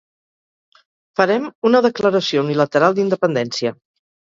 Farem una declaració unilateral d'independència.